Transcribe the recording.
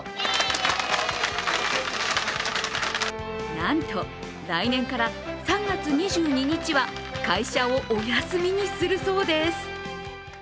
なんと来年から、３月２２日は会社をお休みにするそうです。